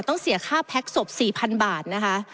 ต้องเสียค่าแพ็คศพ๔๐๐๐บาทนะคะ